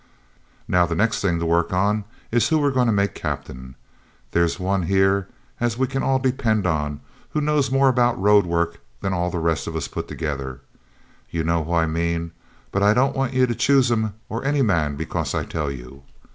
'Now, the next thing to work is who we're to make captain of. There's one here as we can all depend on, who knows more about road work than all the rest of us put together. You know who I mean; but I don't want ye to choose him or any man because I tell you.